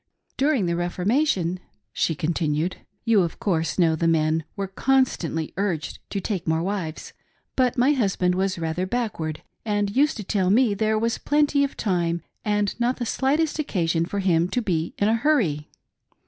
" During the Reformation," she continued, " you, of course, know the men were constantly urged to take more wives ; but my husband was rather backward, and used to tell me there was plenty of time and not the slightest occasion for him to be in a hurry.